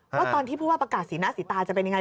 ว่าตอนที่ผู้ว่าประกาศสีหน้าสีตาจะเป็นยังไง